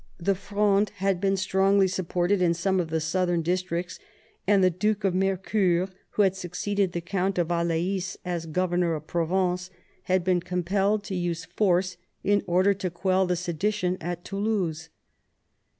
The Fronde had 154 MAZABIN chap. been strongly supported in some of the southern districts, and the Duke of Mercoeur, who had succeeded the Count of Alais as governor of Provence, had been compelled to use force in order to quell the sedition at Toulouse.